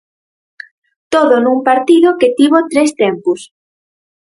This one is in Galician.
Todo nun partido que tivo tres tempos.